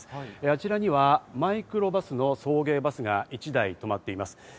あちらにはマイクロバスの送迎バスが１台止まっています。